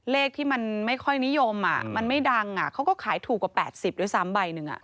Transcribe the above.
เลขที่มันไม่ค่อยนิยมมันไม่ดังเขาก็ขายถูกกว่า๘๐ด้วยซ้ำใบหนึ่ง